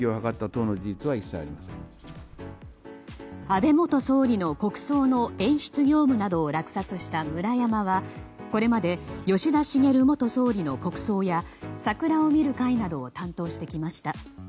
安倍元総理の国葬の演出業務などを落札したムラヤマはこれまで吉田茂元総理の国葬や桜を見る会などを担当してきました。